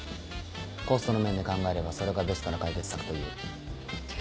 コストの面で考えればそれがベストの解決策といえる。